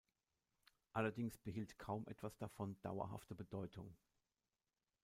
Allerdings behielt kaum etwas davon dauerhafte Bedeutung.